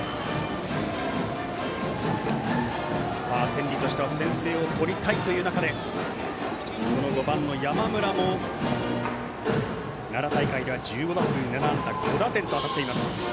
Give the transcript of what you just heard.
天理としては先制を取りたいという中で５番の山村も奈良大会では１５打数７安打５打点と当たっています。